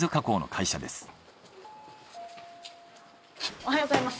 おはようございます。